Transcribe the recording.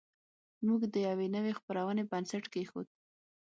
موږ د یوې نوې خپرونې بنسټ کېښود